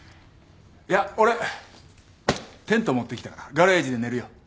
いや俺テント持ってきたからガレージで寝るよ。